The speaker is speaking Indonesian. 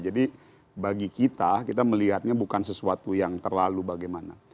jadi bagi kita kita melihatnya bukan sesuatu yang terlalu bagaimana